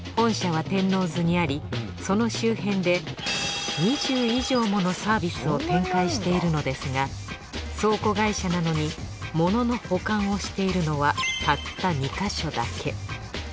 その周辺で２０以上ものサービスを展開しているのですが倉庫会社なのに物の保管をしているのはたった２か所だけ。